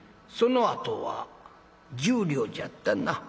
そのあとは１０両じゃったな。